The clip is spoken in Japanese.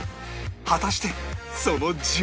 果たしてその順位は？